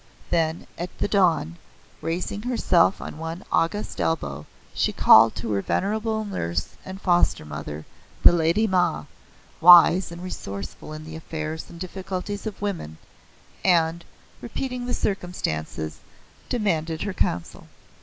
Then, at the dawn, raising herself on one august elbow she called to her venerable nurse and foster mother, the Lady Ma, wise and resourceful in the affairs and difficulties of women, and, repeating the circumstances, demanded her counsel.